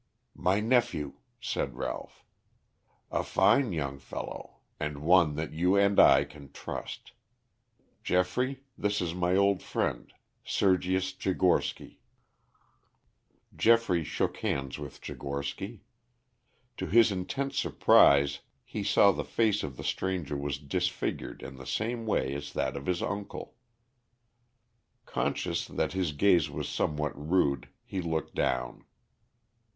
"My nephew," said Ralph. "A fine young fellow, and one that you and I can trust. Geoffrey, this is my old friend, Sergius Tchigorsky." Geoffrey shook hands with Tchigorsky. To his intense surprise he saw the face of the stranger was disfigured in the same way as that of his uncle. Conscious that his gaze was somewhat rude he looked down.